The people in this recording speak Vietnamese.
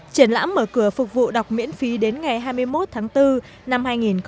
triển lãm mở cửa phục vụ đọc miễn phí đến ngày hai mươi một tháng bốn năm hai nghìn hai mươi